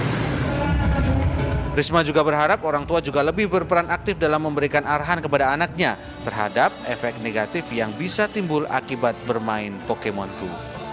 trisma juga berharap orang tua juga lebih berperan aktif dalam memberikan arahan kepada anaknya terhadap efek negatif yang bisa timbul akibat bermain pokemon go